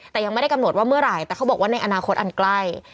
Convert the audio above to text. แต่ยังไม่ได้กำหนดว่าเมื่อไหร่แต่เขาบอกว่าในอนาคตอันใกล้